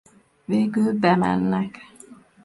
Végül bemennek.